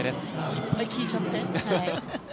いっぱい聞いちゃって。